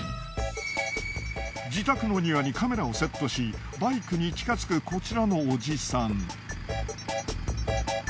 自宅の庭にカメラをセットしバイクに近づくこちらのオジサン。